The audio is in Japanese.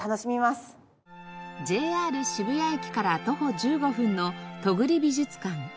ＪＲ渋谷駅から徒歩１５分の戸栗美術館。